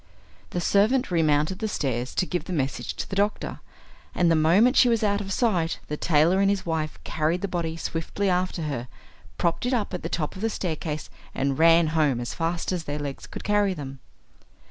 The servant remounted the stairs to give the message to the doctor, and the moment she was out of sight the tailor and his wife carried the body swiftly after her, propped it up at the top of the staircase, and ran home as fast as their legs could carry them.